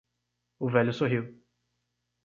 O velho sorriu.